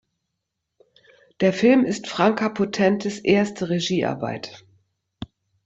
Der Film ist Franka Potentes erste Regiearbeit.